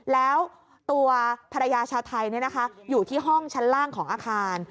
แล้วตัวภรรยาชาวไทยอยู่ที่ห้องชั้นล่างของอาคาร